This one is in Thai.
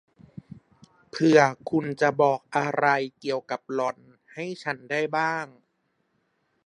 เผื่อคุณพอจะบอกอะไรเกี่ยวกับหล่อนให้ฉันได้บ้าง